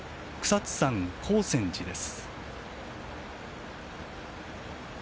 津山光泉寺です。